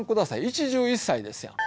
一汁一菜ですやん。